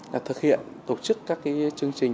là thực hiện tổ chức các chương trình